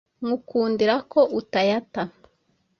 Nywukundira ko utayata.